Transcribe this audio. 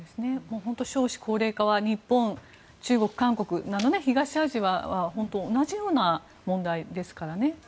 少子高齢化は日本、中国韓国など東アジアは本当に同じような問題ですからね。